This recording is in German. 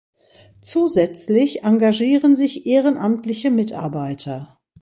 Zusätzlich engagieren sich ehrenamtliche Mitarbeiter.